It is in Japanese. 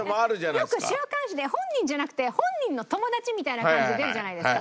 よく週刊誌で本人じゃなくて本人の友達みたいな感じで出るじゃないですか。